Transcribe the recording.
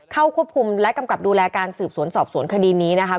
เข้าควบคุมและกำกับดูแลการสืบสวนสอบสวนคดีนี้นะคะ